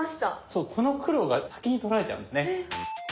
そうこの黒が先に取られちゃうんですね。